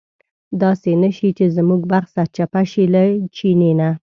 داسې نه شي چې زموږ بخت سرچپه شي له چیني نه.